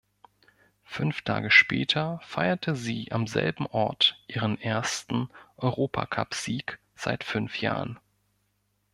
Fünf Tage später feierte sie am selben Ort ihren ersten Europacupsieg seit fünf Jahren.